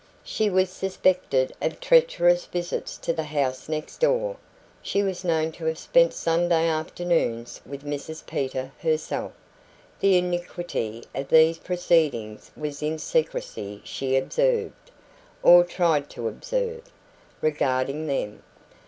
She was suspected of treacherous visits to the house next door; she was known to have spent Sunday afternoons with Mrs Peter herself. The iniquity of these proceedings was in the secrecy she observed, or tried to observe, regarding them.